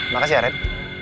makasih ya ren